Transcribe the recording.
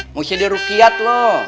mau jadi rukiat lo